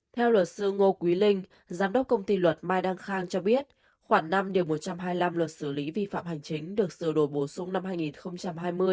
theo luật sư ngô quý linh giám đốc công ty luật mai đăng khang cho biết khoảng năm một trăm hai mươi năm luật xử lý vi phạm hành chính được sửa đổi bổ sung năm hai nghìn hai mươi